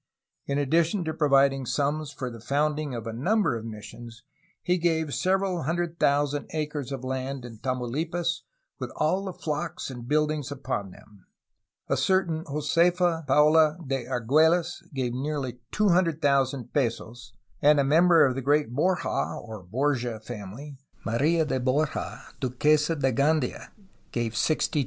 In addition to providing sums for the founding of a number of missions, he gave several hundred thousand acres of land in Tamaulipas, with all the flocks and buildings upon them. A certain Josefa Paula de Argiielles gave nearly 200,000 pesos, and a member of the great Borja (or Borgia) family, Maria de Borja, Duquesa de Gandia, gave 62,000.